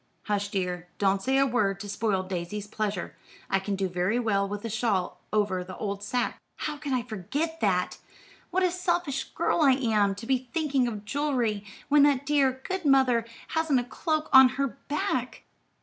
"Hush, dear, don't say a word to spoil Daisy's pleasure. I can do very well with a shawl over the old sack." "How could I forget that! What a selfish girl I am, to be thinking of jewelry, when that dear, good mother hasn't a cloak to her back.